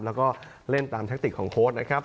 แล้วก็เล่นตามแทคติกของโค้ดนะครับ